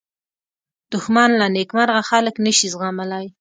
دښمن له نېکمرغه خلک نه شي زغملی